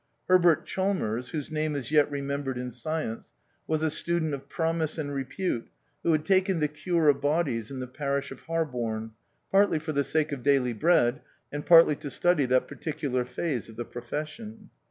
Herbert Chalmers, whose name is yet re membered in science, was a student of pro mise and repute who had taken the cure of bodies in the parish of Harborne, partly for the sake of daily bread, and partly to study that particular phase of the profes sion.